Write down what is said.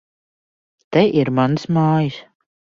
Te ir manas mājas!